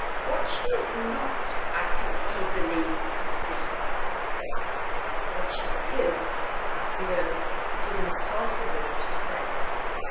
What she is not, I can easily perceive—what she is I fear it is impossible to say.